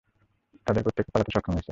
তাদের প্রত্যেকে পালাতে সক্ষম হয়েছে।